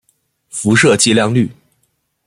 辐射剂量率。